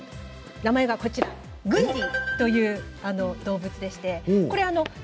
名前はグンディという動物です。